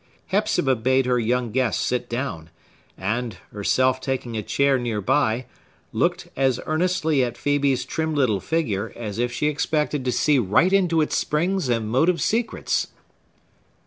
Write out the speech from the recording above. Hepzibah bade her young guest sit down, and, herself taking a chair near by, looked as earnestly at Phœbe's trim little figure as if she expected to see right into its springs and motive secrets.